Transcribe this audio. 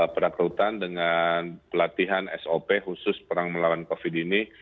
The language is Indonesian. perakrutan dengan pelatihan sop khusus perang melawan covid ini